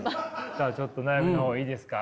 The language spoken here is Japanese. じゃあちょっと悩みの方いいですか？